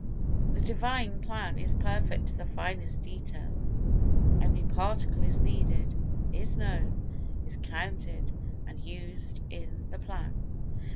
The Divine Plan is perfect to the finest detail—every Particle is needed—is known—is counted—and used in the Plan.